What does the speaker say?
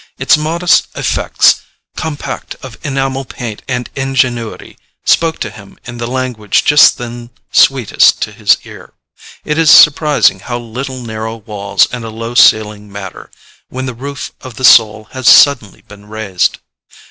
Its modest "effects," compact of enamel paint and ingenuity, spoke to him in the language just then sweetest to his ear. It is surprising how little narrow walls and a low ceiling matter, when the roof of the soul has suddenly been raised.